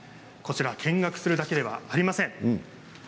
見学するだけではありません。